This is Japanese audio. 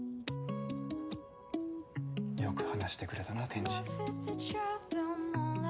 よく話してくれたな天智。